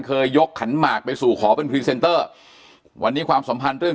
ยกขันหมากไปสู่ขอเป็นพรีเซนเตอร์วันนี้ความสัมพันธ์เรื่อง